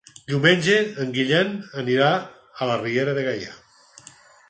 Diumenge en Guillem anirà a la Riera de Gaià.